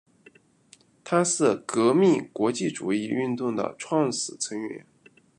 它是革命国际主义运动的创始成员。